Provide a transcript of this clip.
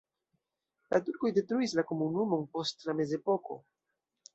La turkoj detruis la komunumon post la mezepoko.